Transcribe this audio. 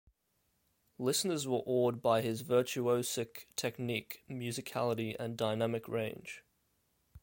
Listeners were awed by his virtuosic technique, musicality, and dynamic range.